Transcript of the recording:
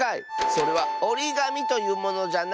それはおりがみというものじゃな。